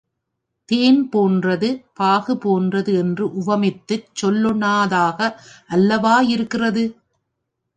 தேன் போன்றது, பாகு போன்றது என்று உவமித்துச் சொல்லொணாததாக அல்லவா இருக்கிறது?